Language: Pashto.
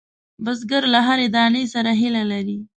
بزګر له هرې دانې سره هیله لري